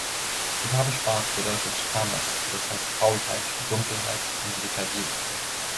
Die Farbe Schwarz bedeutet Tamas, das heißt Faulheit, Dunkelheit und Lethargie.